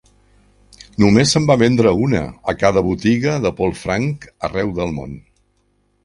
Només se'n va vendre una a cada botiga de Paul Frank arreu del món.